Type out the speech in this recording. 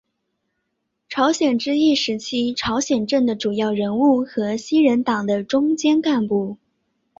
朝鲜之役时朝鲜朝政的主要人物和西人党的中坚干部。